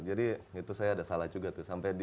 jadi itu saya ada salah juga sampai